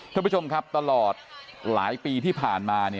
ท่านผู้ชมครับตลอดหลายปีที่ผ่านมา